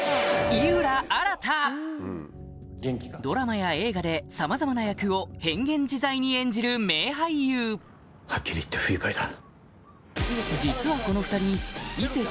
ドラマや映画でさまざまな役を変幻自在に演じる名俳優はっきり言って不愉快だ。